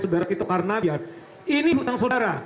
saudara kita karena ini hutang saudara